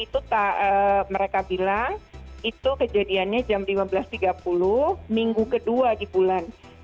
itu mereka bilang itu kejadiannya jam lima belas tiga puluh minggu kedua di bulan